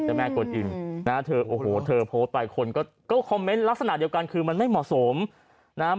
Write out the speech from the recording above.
แม่กวนอิมนะฮะเธอโอ้โหเธอโพสต์ไปคนก็คอมเมนต์ลักษณะเดียวกันคือมันไม่เหมาะสมนะฮะ